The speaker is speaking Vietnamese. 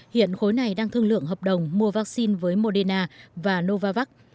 hiện khối này đang thương lượng hợp đồng mua vaccine với moderna và novavax